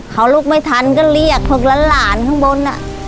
เขาลุกไม่ทันก็เรียกพวกหลานข้างบน